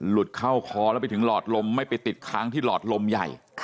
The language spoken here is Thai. เข้าคอแล้วไปถึงหลอดลมไม่ไปติดค้างที่หลอดลมใหญ่